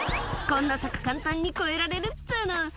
「こんな柵簡単に越えられるっつうの」